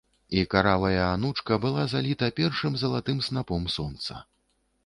І каравая анучка была заліта першым залатым снапом сонца.